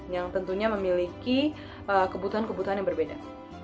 yang tentunya memiliki kebutuhan kebutuhan yang berbeda